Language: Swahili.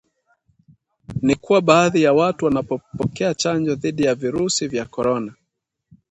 ni kuwa baadhi ya watu wanapopokea chanjo dhidi ya virusi vya Corona